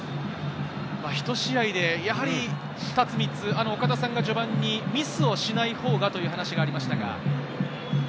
ひと試合で２つ、３つ、岡田さんが序盤にミスをしないほうがという話がありましたが。